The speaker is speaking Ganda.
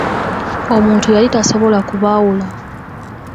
Omuntu yali tasobola kubaawula.